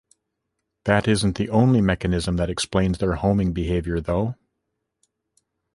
That isn't the only mechanism that explains their homing behavior though.